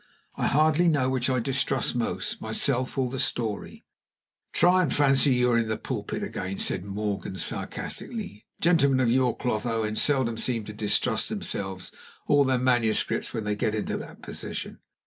I hardly know which I distrust most, myself or my story." "Try and fancy you are in the pulpit again," said Morgan, sarcastically. "Gentlemen of your cloth, Owen, seldom seem to distrust themselves or their manuscripts when they get into that position."